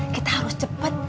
kita harus cepet